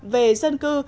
về dân cư